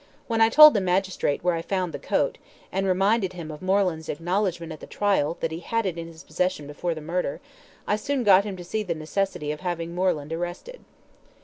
"When I told the magistrate where I found the coat, and reminded him of Moreland's acknowledgment at the trial, that he had it in his possession before the murder, I soon got him to see the necessity of having Moreland arrested."